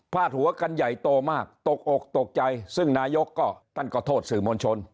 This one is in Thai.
หัวกันใหญ่โตมากตกอกตกใจซึ่งนายกก็ท่านก็โทษสื่อมวลชน